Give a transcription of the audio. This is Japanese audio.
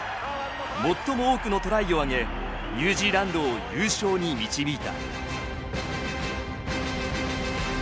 最も多くのトライをあげニュージーランドを優勝に導いた。